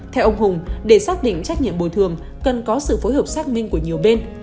theo ông hùng để xác định trách nhiệm bồi thường cần có sự phối hợp xác minh của nhiều bên